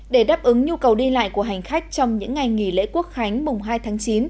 để đáp ứng nhu cầu đi lại của hành khách trong những ngày nghỉ lễ quốc khánh mùng hai tháng chín